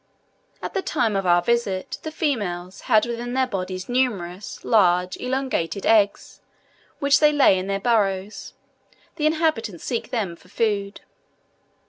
At the time of our visit, the females had within their bodies numerous, large, elongated eggs, which they lay in their burrows: the inhabitants seek them for food.